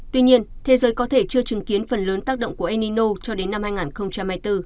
tuy nhiên thế giới có thể chưa chứng kiến phần lớn tác động của enino cho đến năm hai nghìn hai mươi bốn